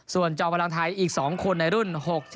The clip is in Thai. ส่วนจอมพลังไทยอีก๒คนในรุ่น๖๒